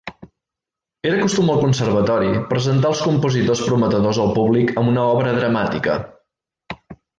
Era costum al conservatori presentar els compositors prometedors al públic amb una obra dramàtica.